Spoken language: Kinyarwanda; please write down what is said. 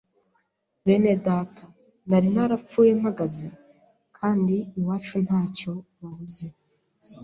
bene data nari narapfuye mpagaze kandi iwacu ntacyo babuze